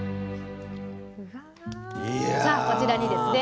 じゃあこちらにですね